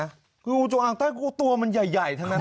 โงมงูโจองอ่างใต้ตัวมันใหญ่ทั้งนั้น